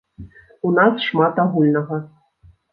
У нас шмат агульнага.